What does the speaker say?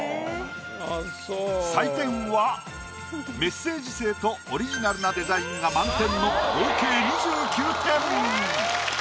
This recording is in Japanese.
採点はメッセージ性とオリジナルなデザインが満点の合計２９点！